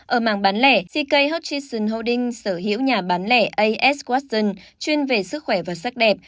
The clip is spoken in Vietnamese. ở mảng bán lẻ ck hutchinson holding sở hữu nhà bán lẻ a s watson chuyên về sức khỏe và sắc đẹp